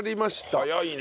早いね。